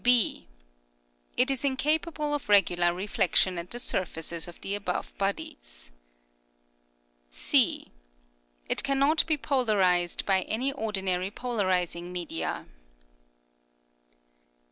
(6) It is incapable of regular reflection at the surfaces of the above bodies. (c) It cannot be polarized by any ordi nary polarizing media.